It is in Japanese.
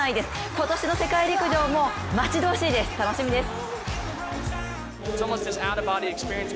今年の世界陸上も待ち遠しいです楽しみです。